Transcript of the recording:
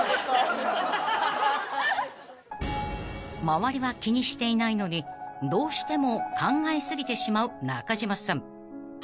［周りは気にしていないのにどうしても考え過ぎてしまう中島さん］